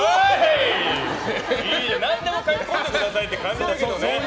何でも書き込んでくださいって感じだけどね。